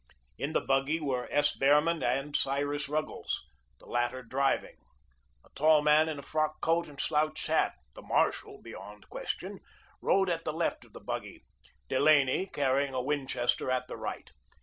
In the buggy were S. Behrman and Cyrus Ruggles, the latter driving. A tall man in a frock coat and slouched hat the marshal, beyond question rode at the left of the buggy; Delaney, carrying a Winchester, at the right.